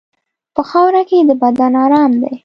په خاوره کې د بدن ارام دی.